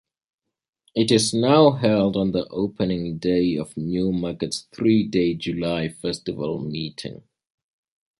It is now held on the opening day of Newmarket's three-day July Festival meeting.